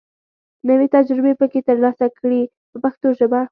نوې تجربې پکې تر لاسه کړي په پښتو ژبه.